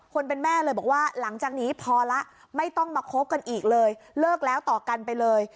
คนเป็นแม่เลยบอกว่าหลังจากนี้พอแล้วไม่ต้องมาคบกันอีกเลยเลิกแล้วต่อกันไปเลย